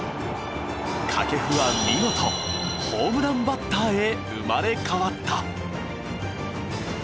掛布は見事ホームランバッターへ生まれ変わった。